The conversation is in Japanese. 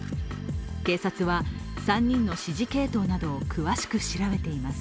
警察は３人の指示系統などを詳しく調べています。